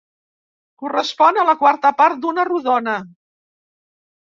Correspon a la quarta part d'una rodona.